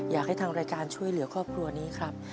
อยากให้ทางรายการช่วยเหลือครอบครัวนี้ครับ